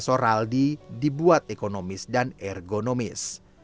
karena keuntungan ini dibuat ekonomis dan ergonomis